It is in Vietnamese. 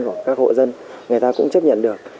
của các hộ dân người ta cũng chấp nhận được